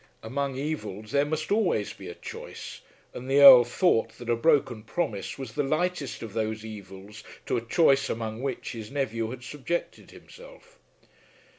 Among evils there must always be a choice; and the Earl thought that a broken promise was the lightest of those evils to a choice among which his nephew had subjected himself.